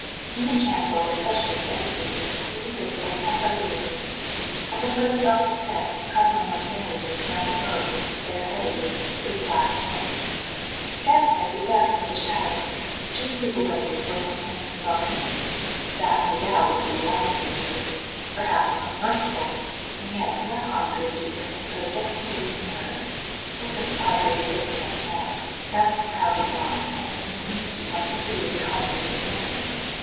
In the chancel, especially, everything was as clearly visible as by daylight. At the foot of the altar steps Cardinal Montanelli knelt alone, bare headed, with clasped hands. The Gadfly drew back into the shadow. Should he slip away before Montanelli saw him? That, no doubt, would be the wisest thing to do perhaps the most merciful. And yet, what harm could it do for him to go just a little nearer to look at the Padre's face once more, now that the crowd was gone, and there was no need to keep up the hideous comedy of the morning?